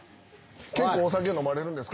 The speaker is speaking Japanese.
結構お酒飲まれるんですか？